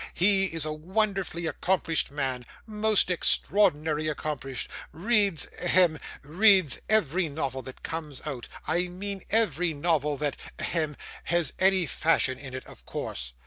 He is a wonderfully accomplished man most extraordinarily accomplished reads hem reads every novel that comes out; I mean every novel that hem that has any fashion in it, of course.